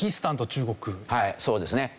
はいそうですね。